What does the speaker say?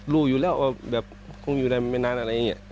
รู้อยู่แล้วว่าแบบคงอยู่ได้ไม่นานอะไรอย่างนี้